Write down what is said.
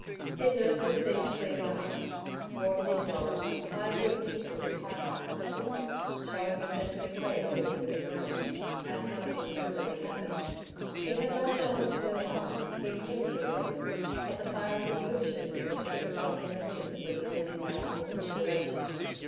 His nose was thin between the eyes, broadening lower, high bridged and with high cut nostrils, showing the sensitive red when he was enraged as not infrequently happened. He had large honest blue eyes, intensely blue, of the fiery description with a trick of dropping the lids when he was in doubt or consideration.